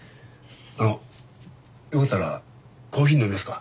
あのよかったらコーヒー飲みますか？